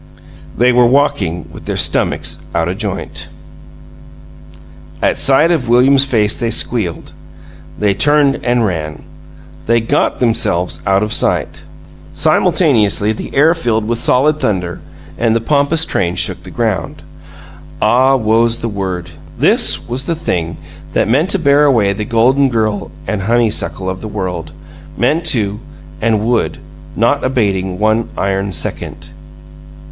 They were walking with their stummicks out o' joint. At sight of William's face they squealed. They turned and ran. They got themselves out of sight. Simultaneously, the air filled with solid thunder and the pompous train shook the ground. Ah, woe's the word! This was the thing that meant to bear away the golden girl and honeysuckle of the world meant to, and would, not abating one iron second!